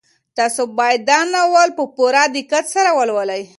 تاسو باید دا ناول په پوره دقت سره ولولئ.